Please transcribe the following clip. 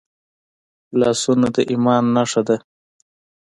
لاسونه د ایمان نښه ده